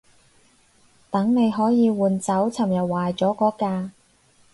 等你可以換走尋日壞咗嗰架